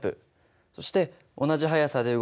そして同じ速さで動く自動車。